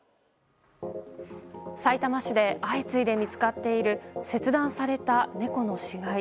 さいたま市で相次いで見つかっている切断された猫の死骸。